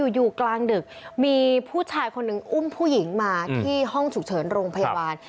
อยู่กลางดึกมีผู้ชายคนหนึ่งอุ้มผู้หญิงมาที่ห้องฉุกเฉินโรงพยาบาล